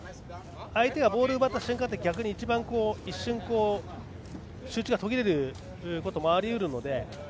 相手がボールを奪った瞬間って逆に一番一瞬、集中が途切れることもあり得るので。